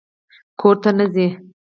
_کور ته نه ځې؟